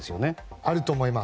あると思います。